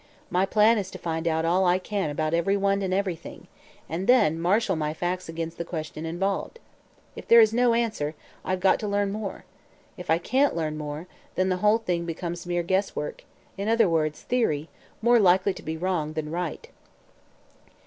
My plan is to find out all I can about everyone and everything, and then marshal my facts against the question involved. If there is no answer, I've got to learn more. If I can't learn more, then the whole thing becomes mere guesswork in other words, theory more likely to be wrong than right."